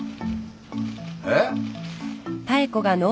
えっ？